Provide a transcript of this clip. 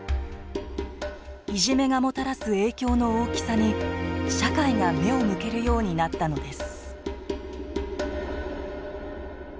いじめがもたらす影響の大きさに社会が目を向けるようになったのです。